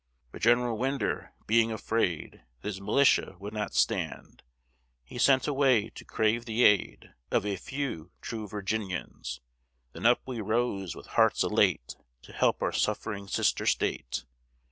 But General Winder being afraid That his militia would not stand, He sent away to crave the aid Of a few true Virginians. Then up we rose with hearts elate, To help our suffering sister state.